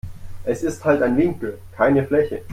Es ist halt ein Winkel, keine Fläche.